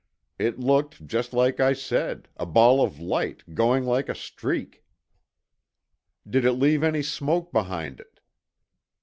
"It looked just like I said—a ball of light, going like a streak." "Did it leave any smoke behind it?"